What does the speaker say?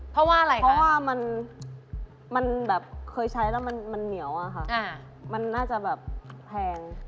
เพราะว่าอะไรเพราะว่ามันแบบเคยใช้แล้วมันเหนียวอะค่ะมันน่าจะแบบแพง